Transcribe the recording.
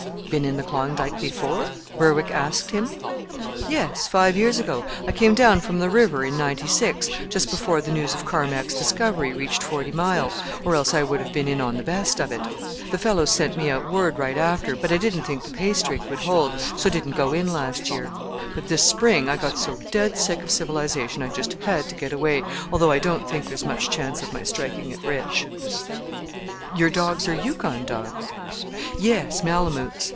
"Been in the Klondike before?" Berwick asked him. "Yes, five years ago. I came down from the River in '96, just before the news of Carmack's discovery reached Forty Mile, or else I would have been in on the best of it. The fellows sent me out word right after, but I didn't think the pay streak would hold, so didn't go in last year. But this spring I got so dead sick of civilization I just had to get away, although I don't think there's much chance of my striking it rich." "Your dogs are Yukon dogs?" "Yes, Malamoots.